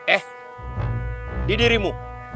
eh di dirimu